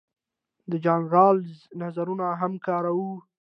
د جان رالز نظرونه هم کاروو.